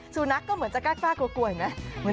สุนัขก็เหมือนจะก็้าก็กล้ากรักกลัวอย่างนั้น